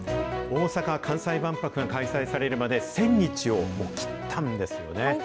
大阪・関西万博が開催されるまで、１０００日をもう切ったんですよね。